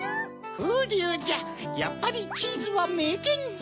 ふうりゅうじゃやっぱりチーズはめいけんじゃ。